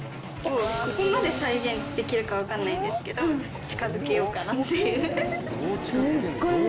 ここまで再現できるか分かんないんですけど近づけようかなっていう。